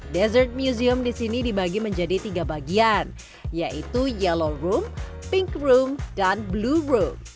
dessert museum di sini dibagi menjadi tiga bagian yaitu yellow room pink room dan blue room